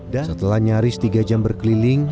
dan setelah nyaris tiga jam berkeliling